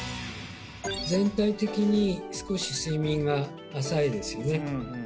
全体的に少し睡眠が浅いですよね